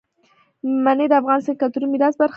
منی د افغانستان د کلتوري میراث برخه ده.